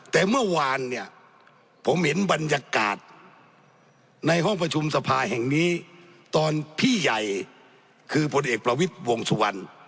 แต่เมื่อวานเนี่ยผมเห็นบรรยากาศในห้องประชุมสภาแห่งนี้ตอนพี่ใหญ่คือพลเอกประวิทย์วงสุวรรณ